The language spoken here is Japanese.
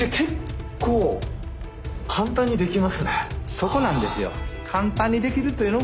そこなんですよ。